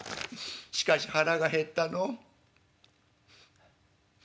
しかし腹が減ったのう」。